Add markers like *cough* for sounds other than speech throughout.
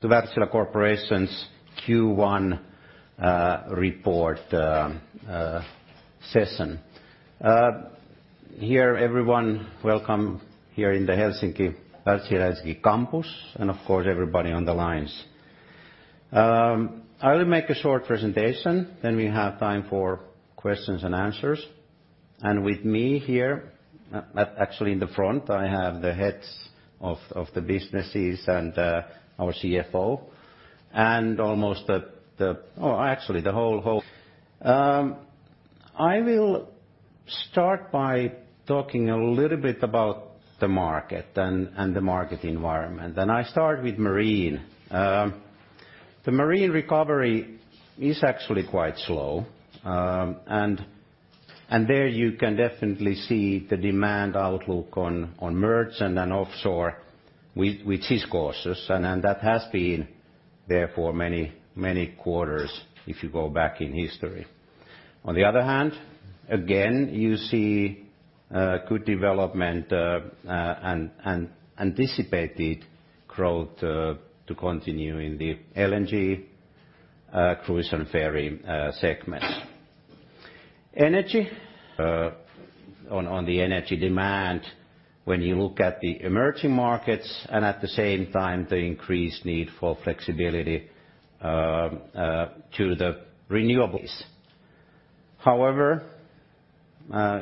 To Wärtsilä Corporation's Q1 report session. Welcome everyone here in the Helsinki Wärtsilä campus, and of course, everybody on the lines. I will make a short presentation, then we have time for questions and answers. With me here, actually in the front, I have the heads of the businesses and our CFO. Actually, I will start by talking a little bit about the market and the market environment. I start with marine. The marine recovery is actually quite slow. There you can definitely see the demand outlook on merchant and offshore, which is cautious. That has been there for many quarters if you go back in history. On the other hand, again, you see good development and anticipated growth to continue in the LNG, cruise, and ferry segments. Energy, on the energy demand, when you look at the emerging markets, and at the same time, the increased need for flexibility to the renewables. However,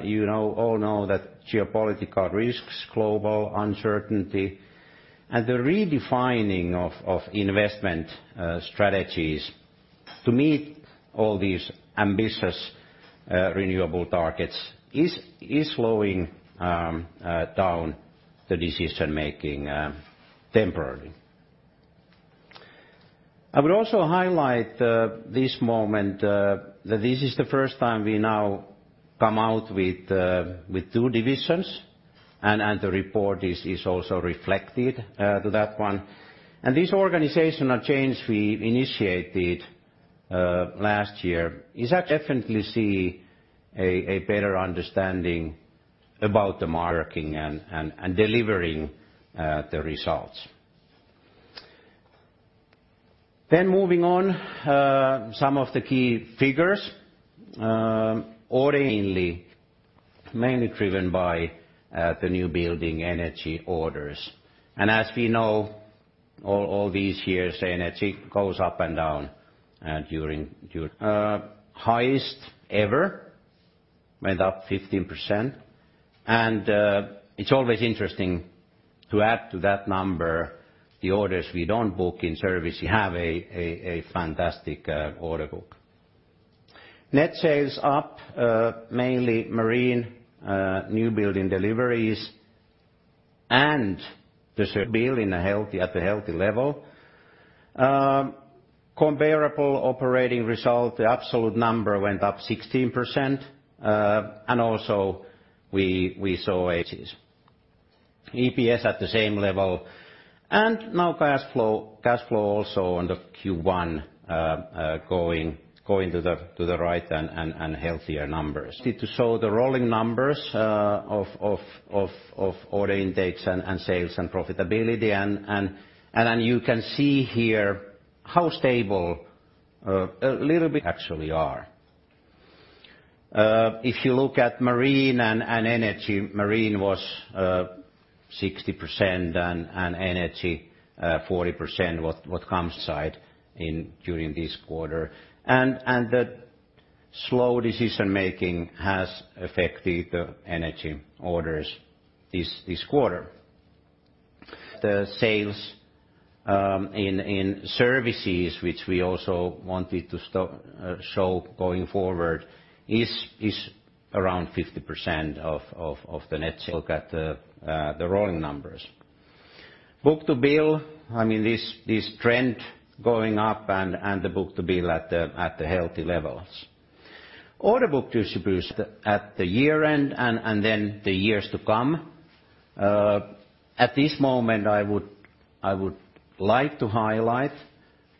you all know that geopolitical risks, global uncertainty, and the redefining of investment strategies to meet all these ambitious renewable targets is slowing down the decision-making temporarily. I would also highlight this moment, that this is the first time we now come out with two divisions, and the report is also reflected to that one. This organizational change we initiated last year is definitely see a better understanding about the marketing and delivering the results. Moving on, some of the key figures. Order intake, mainly driven by the new building energy orders. As we know, all these years, energy goes up and down during Highest ever, went up 15%. It's always interesting to add to that number the orders we don't book in service. You have a fantastic order book. Net sales up, mainly marine new building deliveries and the building at a healthy level. Comparable operating result, the absolute number went up 16%, and also we saw EPS at the same level. Now cash flow also on the Q1 going to the right and healthier numbers. Need to show the rolling numbers of order intakes and sales and profitability. You can see here how stable a little bit they actually are. If you look at marine and energy, marine was 60% and energy 40% what comes side during this quarter. The slow decision-making has affected the energy orders this quarter. The sales in services, which we also wanted to show going forward, is around 50% of the net sales. Look at the rolling numbers. Book-to-bill, this trend going up. The book-to-bill at the healthy levels. Order book distribution at the year-end. The years to come. At this moment, I would like to highlight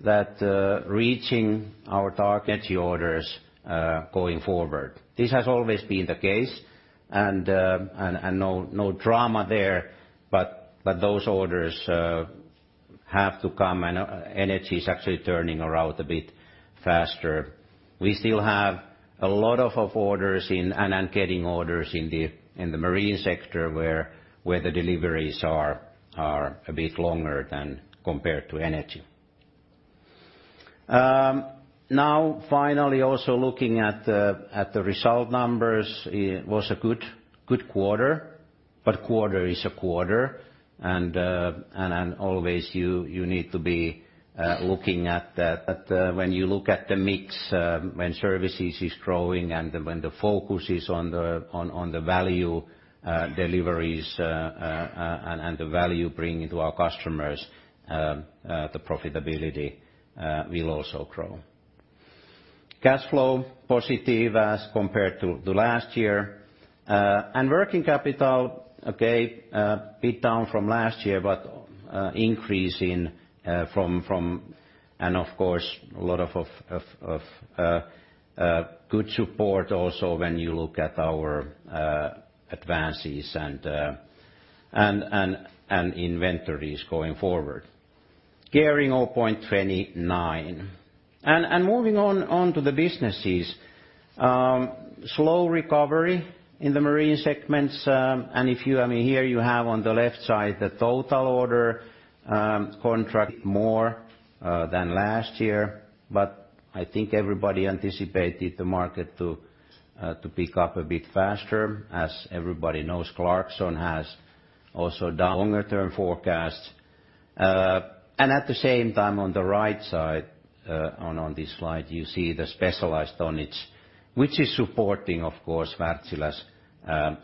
that reaching our target energy orders going forward. This has always been the case. No drama there, but those orders have to come. Energy is actually turning around a bit faster. We still have a lot of orders in and getting orders in the marine sector, where the deliveries are a bit longer than compared to energy. Now, finally, also looking at the result numbers, it was a good quarter, but a quarter is a quarter. Always you need to be looking at that. When you look at the mix, when services is growing and when the focus is on the value deliveries and the value bringing to our customers, the profitability will also grow. Cash flow positive as compared to last year. Working capital, okay, a bit down from last year, but increase in. Of course, a lot of good support also when you look at our advances and inventories going forward. Gearing 0.29. Moving on to the businesses, slow recovery in the marine segments. Here you have on the left side the total order contract more than last year, but I think everybody anticipated the market to pick up a bit faster. As everybody knows, Clarksons has also done longer term forecasts. At the same time, on the right side on this slide, you see the specialized tonnage, which is supporting, of course, Wärtsilä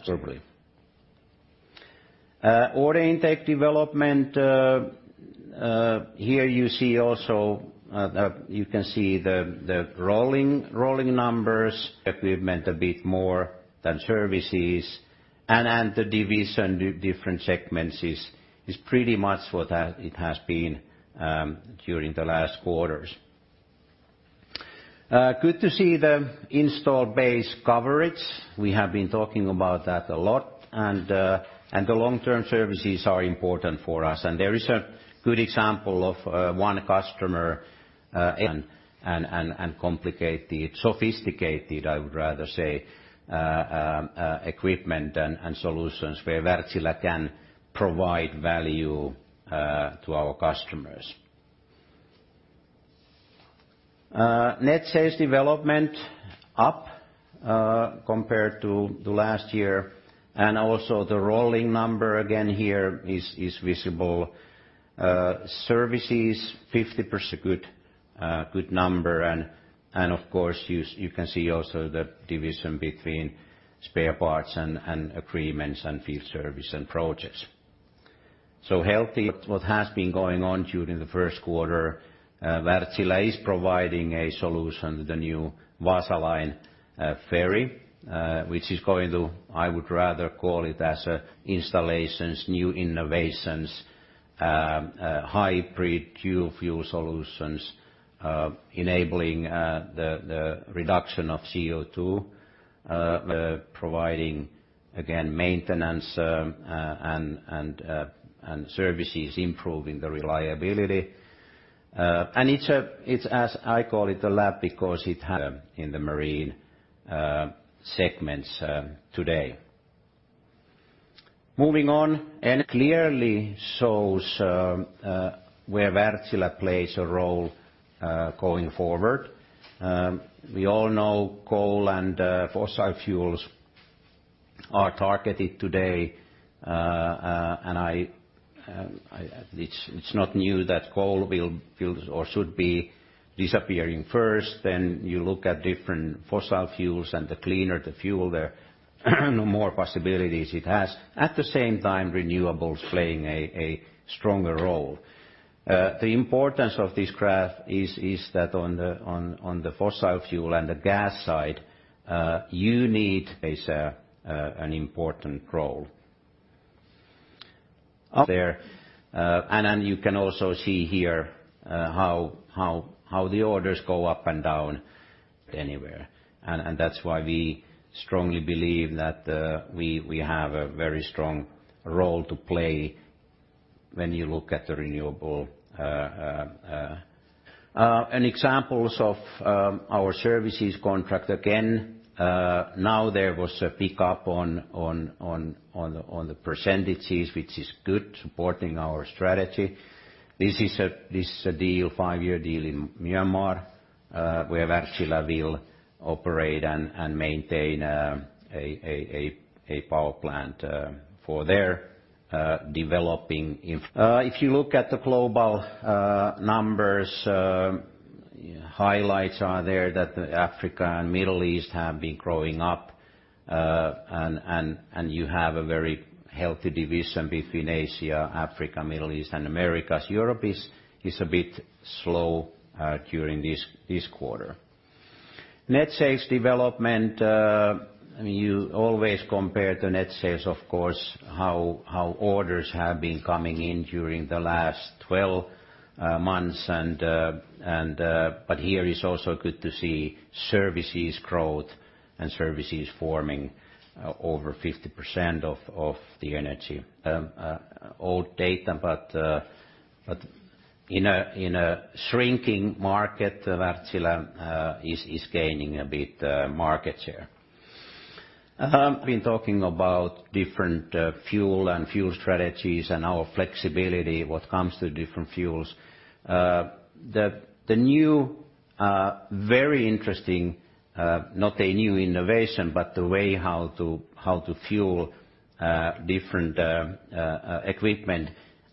superbly. Order intake development, here you can see the rolling numbers. Equipment a bit more than services, and the division different segments is pretty much what it has been during the last quarters. Good to see the installed base coverage. We have been talking about that a lot, and the long-term services are important for us. There is a good example of one customer and complicated, sophisticated, I would rather say, equipment and solutions where Wärtsilä can provide value to our customers. Net sales development up compared to last year. Also, the rolling number again here is visible. Services 50% good number. Of course, you can see also the division between spare parts and agreements and field service and projects. So healthy. What has been going on during the first quarter. Wärtsilä is providing a solution to the new Wasaline ferry, which is going to. I would rather call it as installations, new innovations, hybrid dual-fuel solutions, enabling the reduction of CO2, providing again maintenance and services, improving the reliability. It's, as I call it, a lab because it has in the marine segments today. Moving on. Clearly shows where Wärtsilä plays a role going forward. We all know coal and fossil fuels are targeted today. It's not new that coal will or should be disappearing first. You look at different fossil fuels and the cleaner the fuel, the more possibilities it has. At the same time, renewables playing a stronger role. The importance of this graph is that on the fossil fuel and the gas side, you need. Plays an important role. Out there. You can also see here how the orders go up and down anywhere. That's why we strongly believe that we have a very strong role to play when you look at the renewable. Examples of our services contract again. Now there was a pickup on the percentages, which is good, supporting our strategy. This is a five-year deal in Myanmar, where Wärtsilä will operate and maintain a power plant for their developing in. If you look at the global numbers, highlights are there that Africa and Middle East have been growing up. You have a very healthy division between Asia, Africa, Middle East, and Americas. Europe is a bit slow during this quarter. Net sales development. You always compare the net sales, of course, how orders have been coming in during the last 12 months. Here is also good to see services growth and services forming over 50% of the energy. Old data, but in a shrinking market, Wärtsilä is gaining a bit market share. Been talking about different fuel and fuel strategies and our flexibility, what comes to different fuels. The new, very interesting, not a new innovation, but the way how to fuel different equipment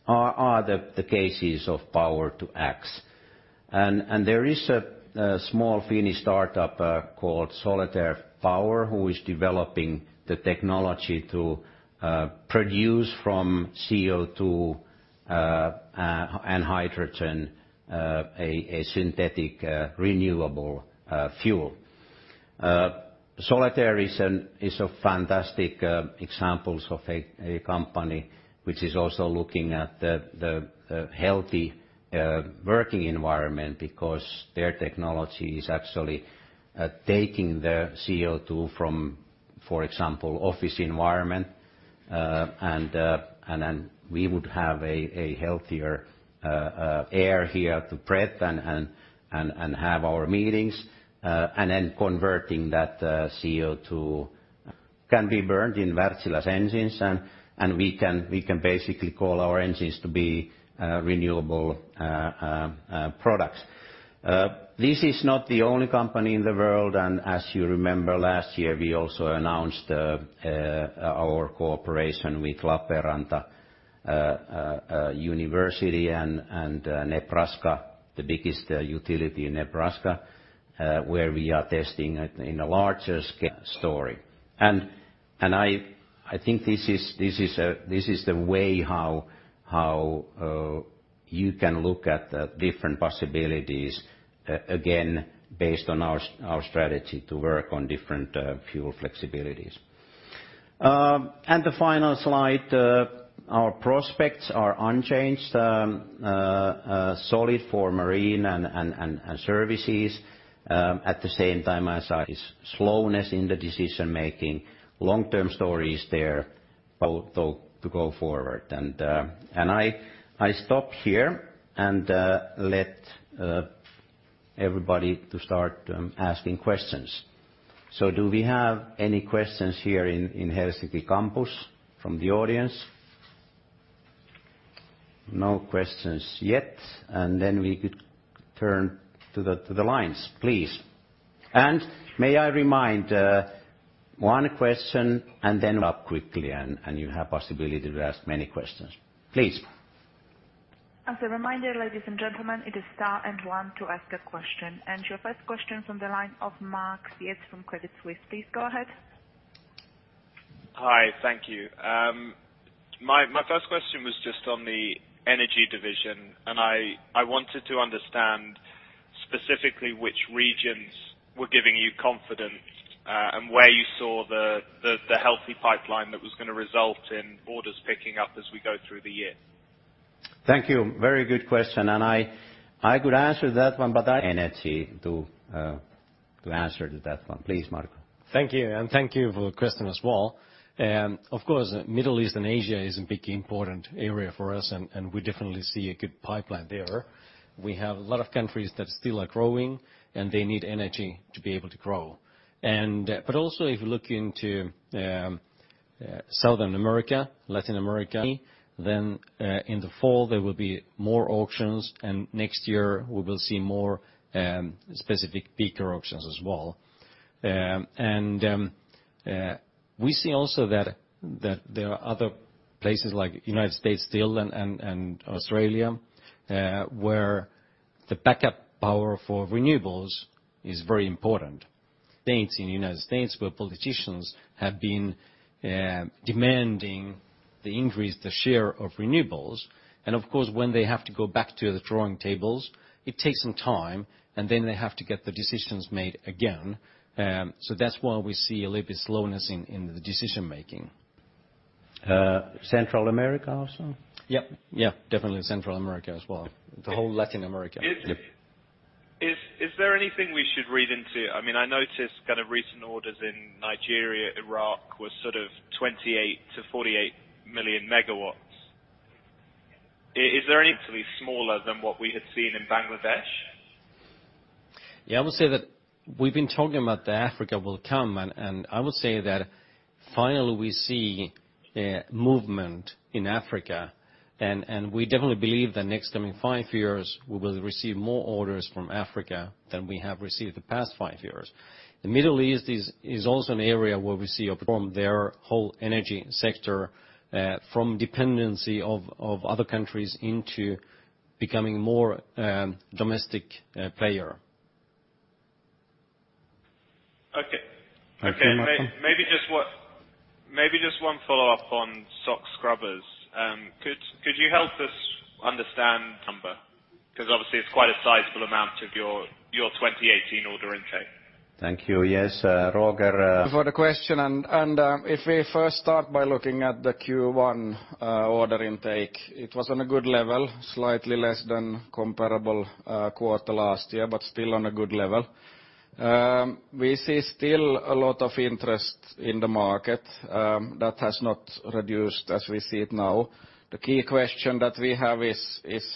are the cases of Power-to-X. There is a small Finnish startup called Soletair Power who is developing the technology to produce from CO2 and hydrogen a synthetic renewable fuel. Soletair Power is a fantastic example of a company which is also looking at the healthy working environment, because their technology is actually taking the CO2 from, for example, office environment, and then we would have a healthier air here to breathe and have our meetings. Converting that CO2 can be burned in Wärtsilä's engines, and we can basically call our engines to be renewable products. This is not the only company in the world, as you remember, last year, we also announced our cooperation with Lappeenranta University and Nebraska, the biggest utility in Nebraska, where we are testing it in a larger scale story. I think this is the way how you can look at the different possibilities, again, based on our strategy to work on different fuel flexibilities. The final slide, our prospects are unchanged, solid for marine and services. Slowness in the decision making. Long-term story is there, to go forward. I stop here and let everybody to start asking questions. Do we have any questions here in Helsinki campus from the audience? No questions yet, we could turn to the lines, please. May I remind, one question and wrap quickly, you have possibility to ask many questions. Please. As a reminder, ladies and gentlemen, it is star and one to ask a question. Your first question from the line of Max Yates from Credit Suisse. Please go ahead. Hi. Thank you. My first question was just on the energy division. I wanted to understand specifically which regions were giving you confidence, and where you saw the healthy pipeline that was going to result in orders picking up as we go through the year. Thank you. Very good question. I could answer that one, but I Energy to answer to that one. Please, Marco. Thank you. Thank you for the question as well. Of course, Middle East and Asia is a big, important area for us. We definitely see a good pipeline there. We have a lot of countries that still are growing, and they need energy to be able to grow. Also, if you look into Southern America, Latin America. Then in the fall, there will be more auctions, and next year we will see more specific peak auctions as well. We see also that there are other places like U.S. still and Australia, where the backup power for renewables is very important. States in U.S. where politicians have been demanding they increase the share of renewables. Of course, when they have to go back to the drawing tables, it takes some time, and then they have to get the decisions made again. That's why we see a little bit slowness in the decision making. Central America also? Yep. Yeah. Definitely Central America as well. The whole Latin America. Yep. Is there anything we should read into I noticed recent orders in Nigeria, Iraq, were 28-48 million MW. Is there any actually smaller than what we had seen in Bangladesh? Yeah, I would say that we've been talking about the Africa will come, I would say that finally we see movement in Africa. We definitely believe that next coming five years, we will receive more orders from Africa than we have received the past five years. The Middle East is also an area where we see a from their whole energy sector, from dependency of other countries into becoming more domestic player. Okay. Okay, Marco. Maybe just one follow-up on SOx scrubbers. Could you help us understand number? Obviously it's quite a sizable amount of your 2018 order intake. Thank you. Yes, Roger. For the question. If we first start by looking at the Q1 order intake, it was on a good level, slightly less than comparable quarter last year, but still on a good level. We see still a lot of interest in the market. That has not reduced as we see it now. The key question that we have is,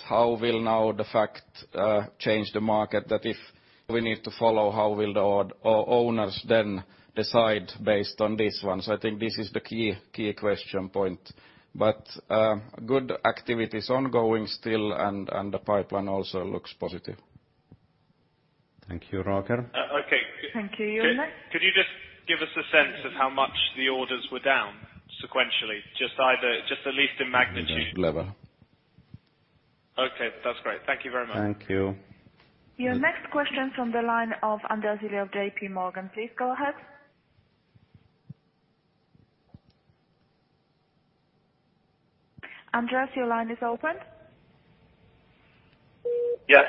how will now the fact change the market, that if we need to follow, how will the owners then decide based on this one? I think this is the key question point. Good activities ongoing still, and the pipeline also looks positive. Thank you, Roger. Okay. Thank you. You're next. Could you just give us a sense of how much the orders were down sequentially, just at least in magnitude? Just level. Okay. That's great. Thank you very much. Thank you. Your next question from the line of Andreas Willi of J.P. Morgan, please go ahead. Andreas, your line is open. Yes.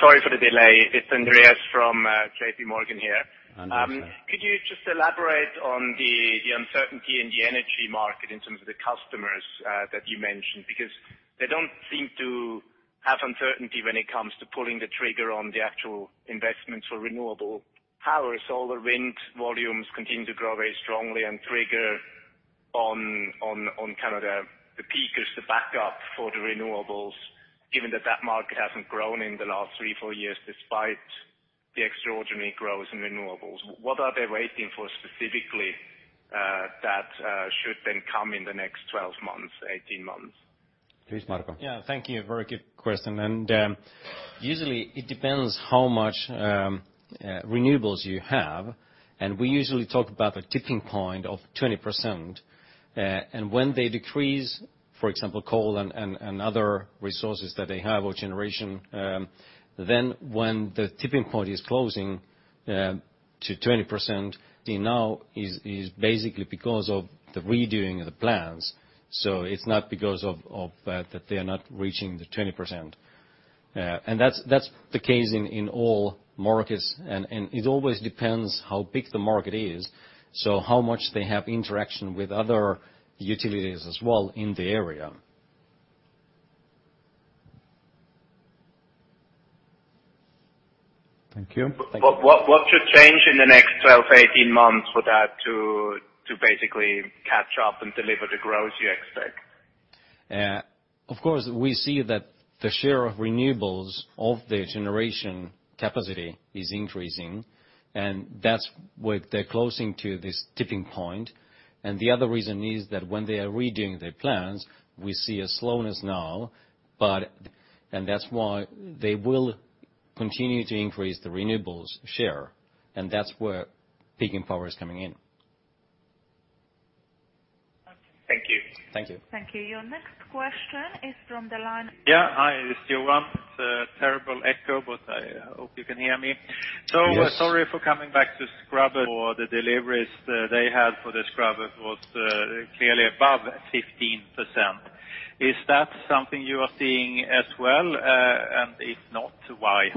Sorry for the delay. It's Andreas from J.P. Morgan here. Andreas. Could you just elaborate on the uncertainty in the energy market in terms of the customers that you mentioned, because they don't seem to have uncertainty when it comes to pulling the trigger on the actual investments for renewable power. Solar wind volumes continue to grow very strongly and trigger on the peakers the backup for the renewables, given that that market hasn't grown in the last three, four years, despite the extraordinary growth in renewables. What are they waiting for specifically, that should then come in the next 12 months, 18 months? Please, Marco. Thank you. Very good question. Usually it depends how much renewables you have, and we usually talk about the tipping point of 20%. When they decrease, for example, coal and other resources that they have or generation, when the tipping point is closing to 20%, now is basically because of the redoing of the plans. It's not because of that they are not reaching the 20%. That's the case in all markets, and it always depends how big the market is. How much they have interaction with other utilities as well in the area. Thank you. What should change in the next 12 to 18 months for that to basically catch up and deliver the growth you expect? Of course, we see that the share of renewables of the generation capacity is increasing, that's where they're closing to this tipping point. The other reason is that when they are redoing their plans, we see a slowness now, and that's why they will continue to increase the renewables share, and that's where peaking power is coming in. Thank you. Thank you. Thank you. Your next question is from the line. Yeah. Hi, it's Johan. It's a terrible echo, but I hope you can hear me. Yes. Sorry for coming back to scrubber. For the deliveries they had for the scrubber was clearly above 15%. Is that something you are seeing as well? If not, why?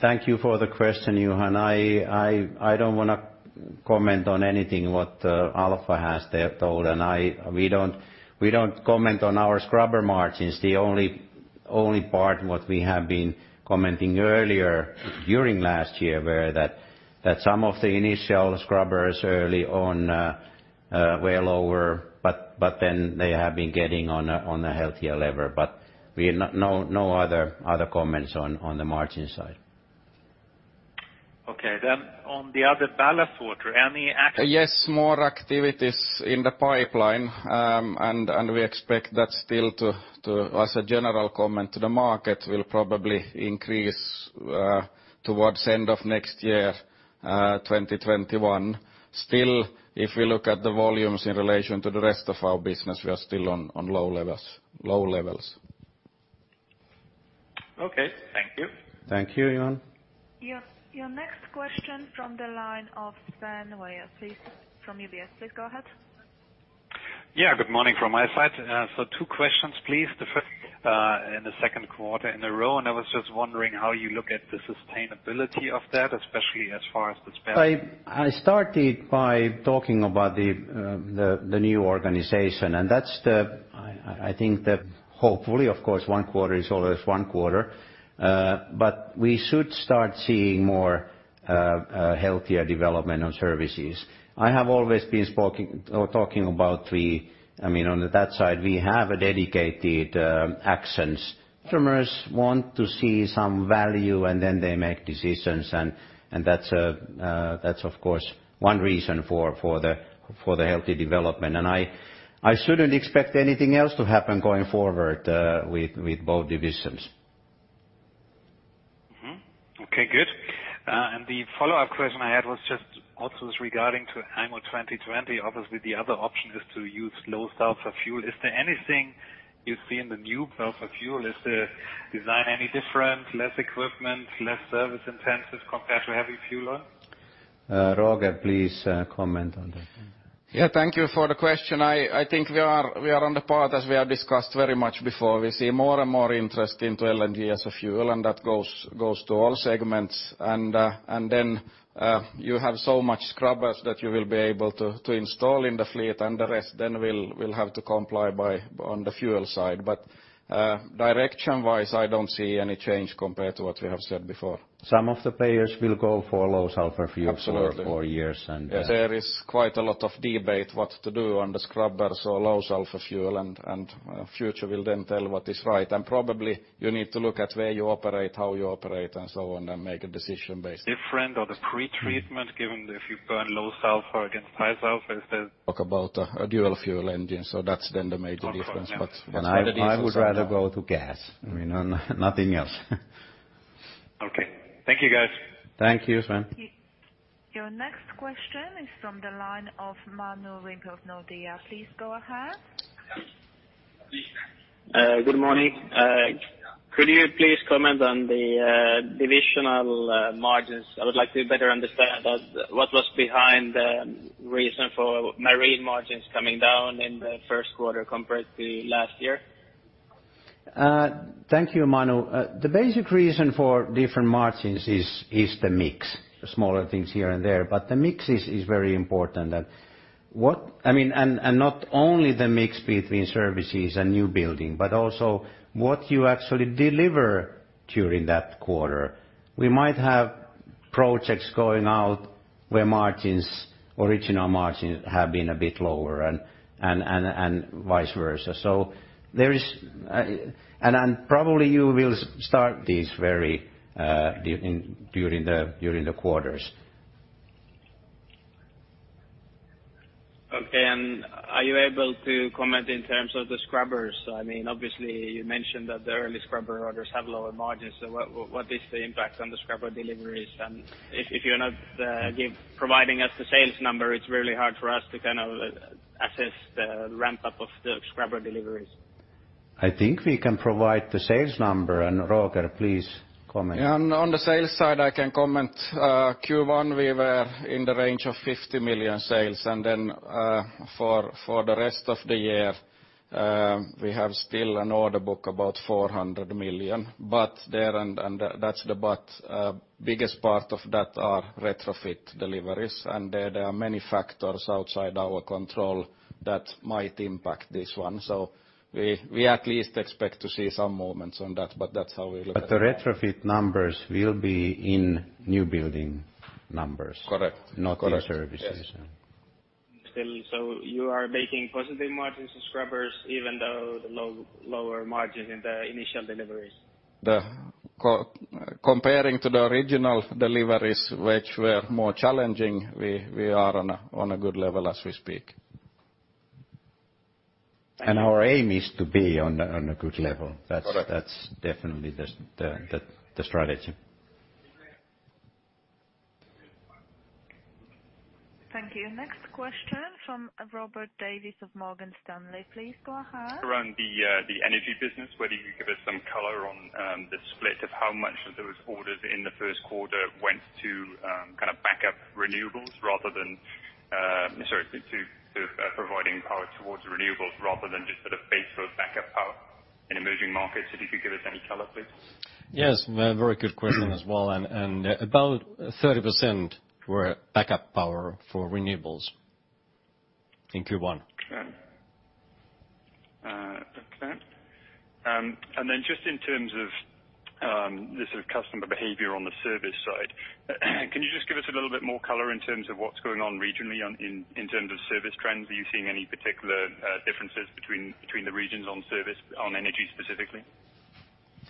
Thank you for the question, Johan. I don't want to comment on anything what Alfa has there told, and we don't comment on our scrubber margins. The only part what we have been commenting earlier during last year were that some of the initial scrubbers early on were lower, but then they have been getting on a healthier level. No other comments on the margin side. Okay. On the other ballast water, any Yes, more activities in the pipeline. We expect that still to, as a general comment to the market, will probably increase towards end of next year, 2021. If we look at the volumes in relation to the rest of our business, we are still on low levels. Okay. Thank you. Thank you, Johan. Your next question from the line of Sven Weier, please. From UBS. Please go ahead. Yeah. Good morning from my side. Two questions, please. The first, in the second quarter in a row, I was just wondering how you look at the sustainability of that, especially as far as the spend. I started by talking about the new organization, that's, I think the Hopefully, of course, one quarter is always one quarter. We should start seeing more healthier development on services. I have always been talking about we, on that side, we have a dedicated actions. Customers want to see some value and then they make decisions, that's of course one reason for the healthy development. I shouldn't expect anything else to happen going forward, with both divisions. Mm-hmm. Okay, good. The follow-up question I had was just also is regarding to IMO 2020. Obviously, the other option is to use low-sulfur fuel. Is there anything you see in the new sulfur fuel? Is the design any different, less equipment, less service intensive compared to heavy fuel oil? Roger, please comment on that. Yeah. Thank you for the question. I think we are on the path, as we have discussed very much before. We see more and more interest into LNG as a fuel, that goes to all segments. Then, you have so much scrubbers that you will be able to install in the fleet, the rest then will have to comply on the fuel side. Direction-wise, I don't see any change compared to what we have said before. Some of the players will go for low-sulfur fuel. Absolutely for years. There is quite a lot of debate what to do on the scrubber. Low sulfur fuel and future will then tell what is right, and probably you need to look at where you operate, how you operate, and so on, and make a decision based. Different or the pretreatment, given if you burn low sulfur against high sulfur, is there. Talk about a dual fuel engine, so that's then the major difference. Okay. Yeah. I would rather go to gas. I mean, nothing else. Okay. Thank you, guys. Thank you, Sven. Your next question is from the line of Manu Rimpelä of Nordea. Please go ahead. Good morning. Could you please comment on the divisional margins? I would like to better understand what was behind the reason for marine margins coming down in the first quarter compared to last year. Thank you, Manu. The basic reason for different margins is the mix, the smaller things here and there, but the mix is very important. Not only the mix between services and new building, but also what you actually deliver during that quarter. We might have projects going out where original margins have been a bit lower and vice versa. Probably you will start these very during the quarters. Okay. Are you able to comment in terms of the scrubbers? Obviously, you mentioned that the early scrubber orders have lower margins. What is the impact on the scrubber deliveries? If you're not providing us the sales number, it's really hard for us to kind of assess the ramp-up of the scrubber deliveries. I think we can provide the sales number. Roger, please comment. Yeah, on the sales side, I can comment. Q1, we were in the range of 50 million sales, and then for the rest of the year, we have still an order book about 400 million. There, and that's the but, biggest part of that are retrofit deliveries, and there are many factors outside our control that might impact this one. We at least expect to see some movements on that, but that's how we look at it. The retrofit numbers will be in new building numbers. Correct. Not in services. Still, you are making positive margins to scrubbers even though the lower margin in the initial deliveries? Comparing to the original deliveries, which were more challenging, we are on a good level as we speak. Our aim is to be on a good level. Correct. That's definitely the strategy. Thank you. Next question from Robert Davies of Morgan Stanley. Please go ahead. Around the energy business, whether you could give us some color on the split of how much of those orders in the first quarter went to kind of backup renewables rather than, sorry, to providing power towards renewables rather than just sort of base load backup power in emerging markets. If you could give us any color, please. Yes, very good question as well. About 30% were backup power for renewables in Q1. Okay. Just in terms of the sort of customer behavior on the service side, can you just give us a little bit more color in terms of what's going on regionally in terms of service trends? Are you seeing any particular differences between the regions on service, on energy specifically?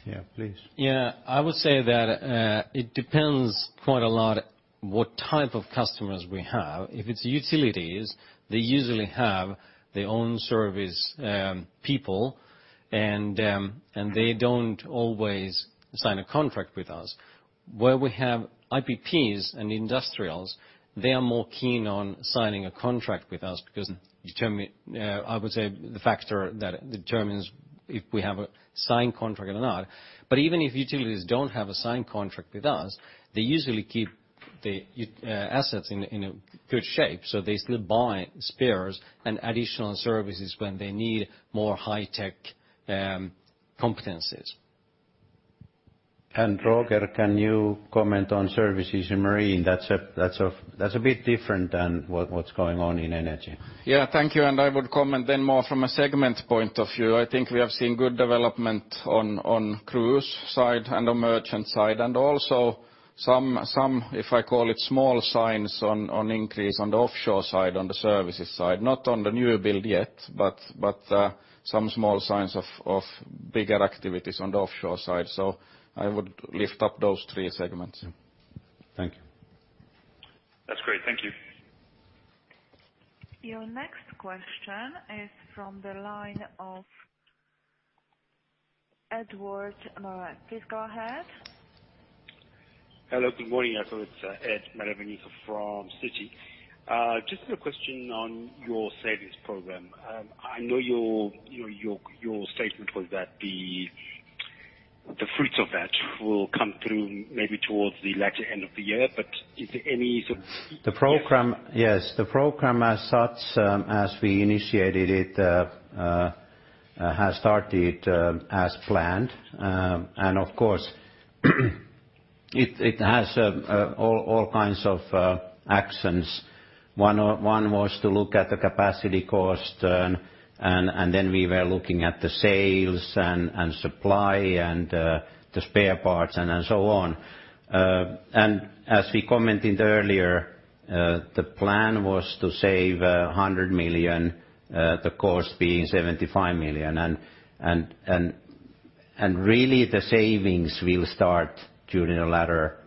Yeah, please. Yeah, I would say that it depends quite a lot what type of customers we have. If it's utilities, they usually have their own service people, and they don't always sign a contract with us. Where we have IPPs and industrials, they are more keen on signing a contract with us because, I would say, the factor that determines if we have a signed contract or not. Even if utilities don't have a signed contract with us, they usually keep the assets in a good shape, so they still buy spares and additional services when they need more high-tech competencies. Roger, can you comment on services in Marine? That's a bit different than what's going on in energy. Yeah, thank you. I would comment then more from a segment point of view. I think we have seen good development on cruise side and on merchant side, and also some, if I call it small signs on increase on the offshore side, on the services side. Not on the new build yet, but some small signs of bigger activities on the offshore side. I would lift up those three segments. Thank you. That's great. Thank you. Your next question is from the line of Edward Malek. Please go ahead. Hello, good morning. It's Vivek Midha from Citi. Just a question on your savings program. I know your statement was that the fruits of that will come through maybe towards the latter end of the year. Yes, the program as such, as we initiated it, has started as planned. Of course, it has all kinds of actions. One was to look at the capacity cost turn, and then we were looking at the sales and supply and the spare parts and so on. As we commented earlier, the plan was to save 100 million, the cost being 75 million, and really the savings will start during the latter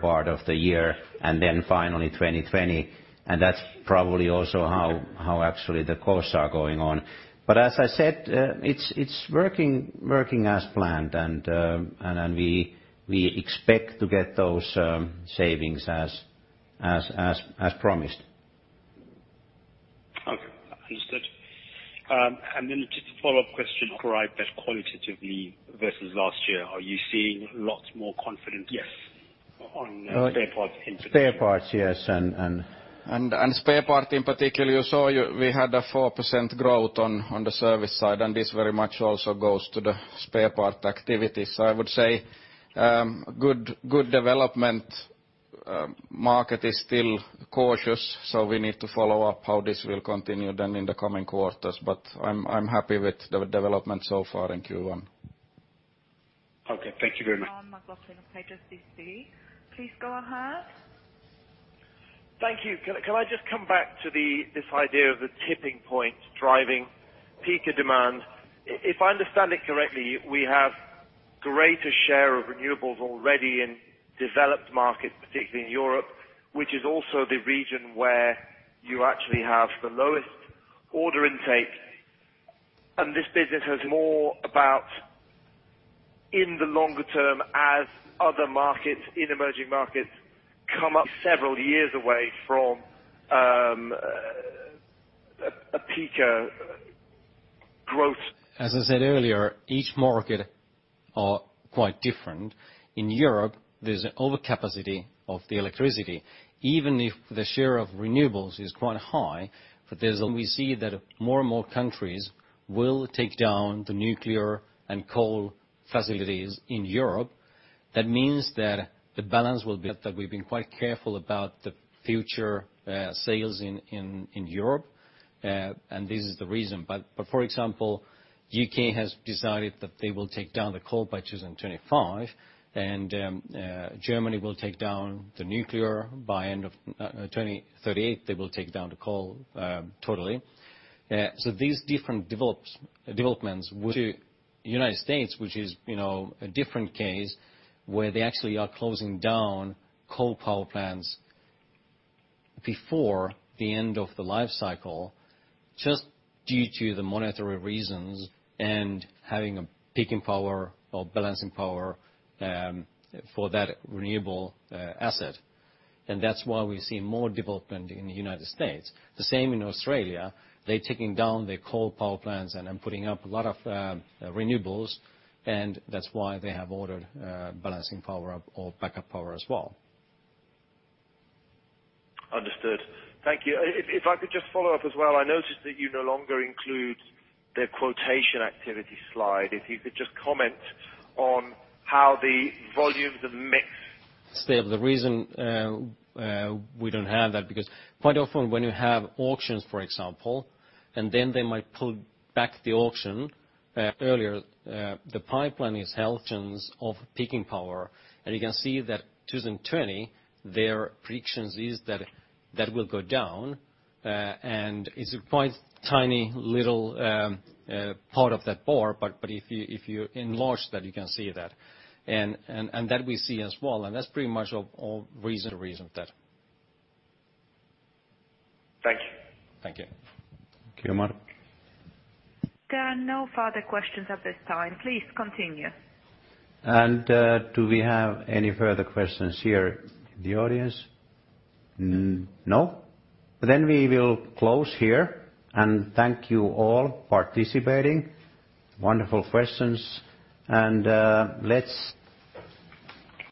part of the year and then finally 2020, and that's probably also how actually the costs are going on. As I said, it's working as planned, and we expect to get those savings as promised. Okay. Understood. Just a follow-up question, *audio distortion* that qualitatively versus last year, are you seeing lots more confidence- Yes on spare parts installation? Spare parts, yes. Spare part in particular, you saw we had a 4% growth on the service side, and this very much also goes to the spare part activity. I would say good development. Market is still cautious, we need to follow up how this will continue then in the coming quarters. I'm happy with the development so far in Q1. Okay. Thank you very much. Sean McLoughlin, HSBC. Please go ahead. Thank you. Can I just come back to this idea of the tipping point driving peaker demand? If I understand it correctly, we have greater share of renewables already in developed markets, particularly in Europe, which is also the region where you actually have the lowest order intake. This business has more about in the longer term, as other markets in emerging markets come up several years away from a peak growth. As I said earlier, each market are quite different. In Europe, there's an over capacity of the electricity. Even if the share of renewables is quite high, we see that more and more countries will take down the nuclear and coal facilities in Europe. That we've been quite careful about the future sales in Europe. This is the reason. For example, U.K. has decided that they will take down the coal by 2025, and Germany will take down the nuclear by end of 2038. They will take down the coal, totally. These different developments to U.S., which is a different case, where they actually are closing down coal power plants before the end of the life cycle, just due to the monetary reasons and having a peaking power or balancing power for that renewable asset. That's why we see more development in the U.S. The same in Australia. They're taking down their coal power plants and then putting up a lot of renewables, and that's why they have ordered balancing power or backup power as well. Understood. Thank you. If I could just follow up as well. I noticed that you no longer include the quotation activity slide. If you could just comment on how the volumes of mix- The reason we don't have that, because quite often when you have auctions, for example, and then they might pull back the auction earlier, the pipeline is *audio distortion* of peaking power. You can see that 2020, their predictions is that will go down, and it's a quite tiny little part of that bar, but if you enlarge that, you can see that. That we see as well, and that's pretty much all reason to reason that. Thank you. Thank you. Thank you. There are no further questions at this time. Please continue. Do we have any further questions here in the audience? No. We will close here, thank you all participating. Wonderful questions.